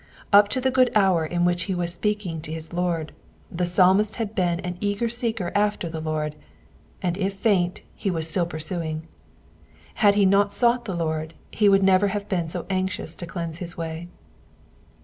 Up to the good hour in which he was speaking to his Lord, the Psalmist had been an eager seeker after the Lord, and if faint, he was still pursuing. Had he not sought the Lord he would never have been so anxious to cleanse his way.